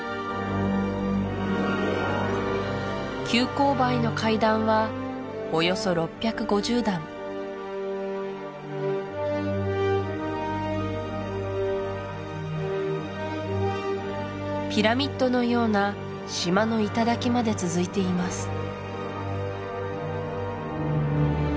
急勾配の階段はおよそ６５０段ピラミッドのような島の頂まで続いています